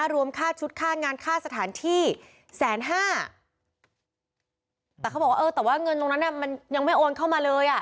รวมค่าชุดค่างานค่าสถานที่แสนห้าแต่เขาบอกว่าเออแต่ว่าเงินตรงนั้นอ่ะมันยังไม่โอนเข้ามาเลยอ่ะ